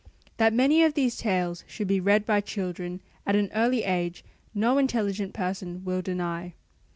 That many of these tales should be read by children at an early age no intelligent person will deny.